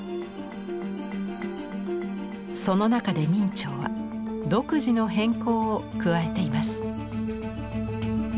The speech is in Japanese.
その中で明兆は独自の変更を加えています。